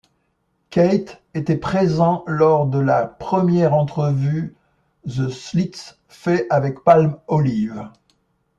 Kate était présent lors de la première entrevue The Slits fait avec Palm Olive.